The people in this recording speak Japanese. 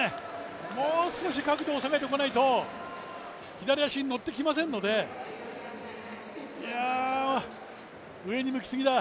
もう少し角度を下げていかないと左足に乗っていきませんので、いや、上に向きすぎだ。